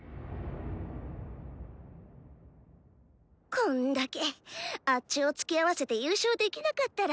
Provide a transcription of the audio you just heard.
こんだけあッチをつきあわせて優勝できなかったら。